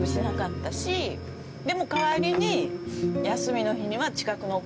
でも代わりに休みの日には。